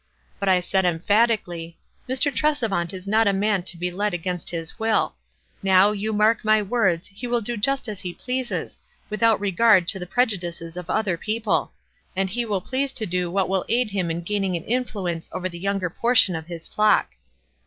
But I said emphatically, 'Mr. Tresevant is not a man to be led against his will. Now, you mark my words, he will do just as he pleases, without regard to the preju dices of other people ; and he will please to do 232 WISE AND OTHERWISE. what will aid him in gaining an influence over the younger portion of his flock.'